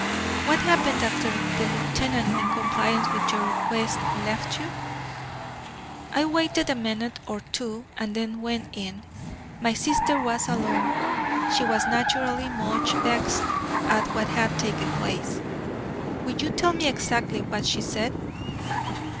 "What happened after the lieutenant, in compliance with your request, left you?" "I waited a minute or two and then went in. My sister was alone. She was naturally much vexed at what had taken place." "Will you tell me exactly what she said?"